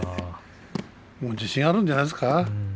自信があるんじゃないですか。